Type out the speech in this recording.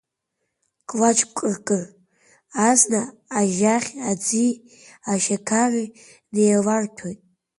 Клаҷкәрк азна ажьаӷь, аӡи ашьақари неиларҭәоит.